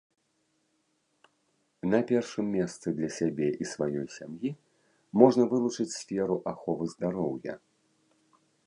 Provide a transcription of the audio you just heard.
На першым месцы для сябе і сваёй сям'і можна вылучыць сферу аховы здароўя.